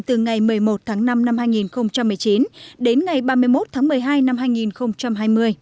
từ ngày một mươi một tháng năm năm hai nghìn một mươi chín đến ngày ba mươi một tháng một mươi hai năm hai nghìn hai mươi